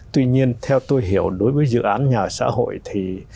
tuy nhiên theo tôi hiểu đối với dự án nhà ở xã hội thì